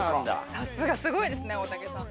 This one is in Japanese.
さすがすごいですね大竹さん